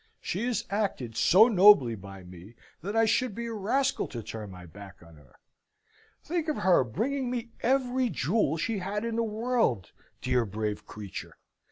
She has acted so nobly by me, that I should be a rascal to turn my back on her. Think of her bringing me every jewel she had in the world, dear brave creature!